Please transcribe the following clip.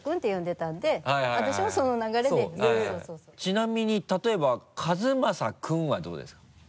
ちなみに例えば「和正君」はどうですか？